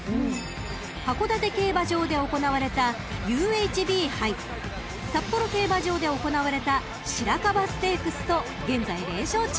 ［函館競馬場で行われたＵＨＢ杯札幌競馬場で行われたしらかばステークスと現在連勝中］